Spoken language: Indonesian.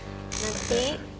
kalau misalkan bapak makan